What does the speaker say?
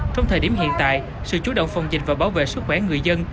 trong thời điểm hiện tại sự chú động phòng dịch và bảo vệ sức khỏe người dân